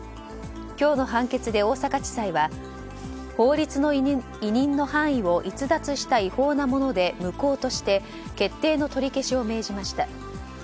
今日の判決で、大阪地裁は法律の委任の範囲を逸脱した違法なもので無効として決定の取り消しを命じました。